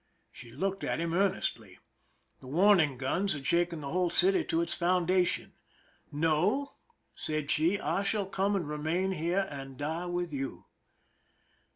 She looked at him earnestly. The warning guns had shaken the whole city to its foundation. " No," said she ;" I shall come and remain here and die with you."